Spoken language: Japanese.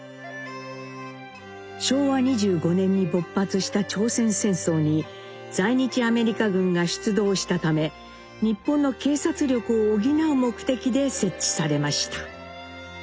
昭和２５年に勃発した朝鮮戦争に在日アメリカ軍が出動したため日本の警察力を補う目的で設置されました。